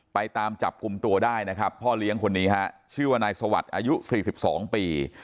ไปตามจับกลุ่มตัวได้นะครับพ่อเลี้ยงคนนี้ฮะชื่อว่านายสวัสดิ์อายุ๔๒ปี